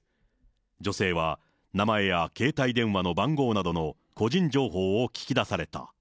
女性は、名前や携帯電話の番号などの個人情報を聞き出された。